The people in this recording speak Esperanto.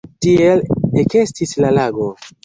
Tiel ekestis la lago.